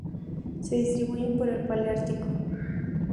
Se distribuyen por el paleártico.